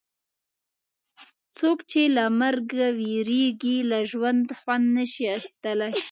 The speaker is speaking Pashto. څوک چې له مرګ وېرېږي له ژونده خوند نه شي اخیستلای.